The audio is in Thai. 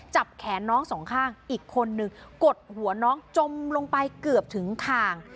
จับแขนน้องสองข้างอีกคนนึงกดหัวน้องจมลงไปเกือบถึงคาง